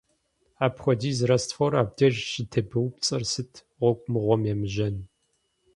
Апхуэдиз раствор абдей щӀытебупцӀэр сыт, гъуэгу мыгъуэм емыжьэн?!